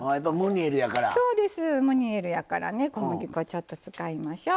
ムニエルやから小麦粉をちょっと使いましょう。